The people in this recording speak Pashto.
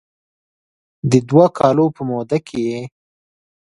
د دوه کالو په موده کې یې